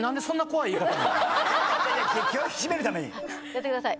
やってください。